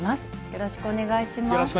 よろしくお願いします。